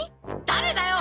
誰だよ？